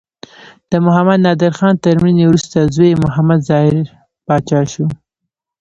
د محمد نادر خان تر مړینې وروسته زوی یې محمد ظاهر پاچا شو.